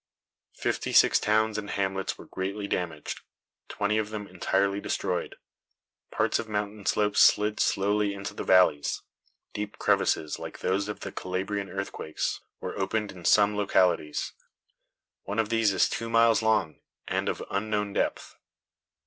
Fifty six towns and hamlets were greatly damaged, twenty of them entirely destroyed. Parts of mountain slopes slid slowly into the valleys. Deep crevices, like those of the Calabrian earthquakes, were opened in some localities. One of these is two miles long and of unknown depth.